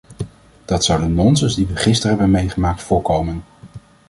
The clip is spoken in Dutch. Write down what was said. Dat zou de nonsens die we gisteren hebben meegemaakt, voorkomen.